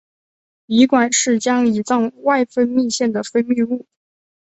胰管是将胰脏外分泌腺的分泌物。